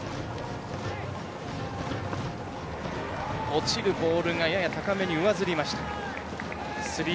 落ちるボールがやや高めに上ずりました。